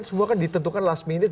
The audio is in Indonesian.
semua kan ditentukan last minute